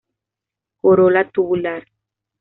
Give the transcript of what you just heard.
Corola tubular.